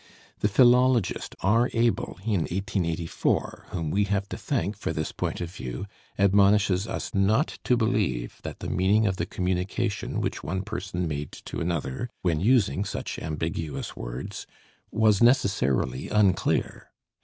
The philologist, R. Abel (1884), whom we have to thank for this point of view, admonishes us not to believe that the meaning of the communication which one person made to another when using such ambiguous words was necessarily unclear.